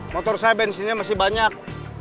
motor saya bensinnya masih banyak